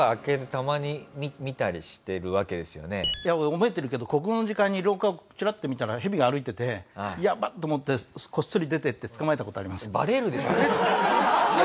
覚えてるけど国語の時間に廊下をチラッと見たらヘビが歩いててやばっ！と思ってこっそり出てって捕まえた事あります。